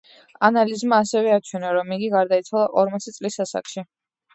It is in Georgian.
ანალიზმა ასევე აჩვენა, რომ იგი გარდაიცვალა ორმოცი წლის ასაკში.